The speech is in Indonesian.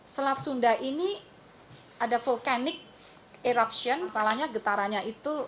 selat sunda ini ada vulkanik eruption salahnya getarannya itu